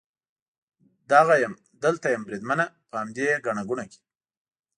دغه یم، دلته یم بریدمنه، په همدې ګڼه ګوڼه کې.